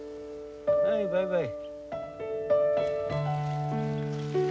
はいバイバイ。